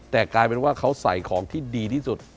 แต่กลายเป็นว่าเขาใส่ของที่ดีที่สุด